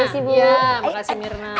ya makasih mirna